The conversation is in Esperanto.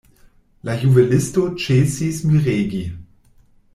La juvelisto ĉesis miregi.